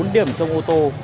bốn điểm trong ô tô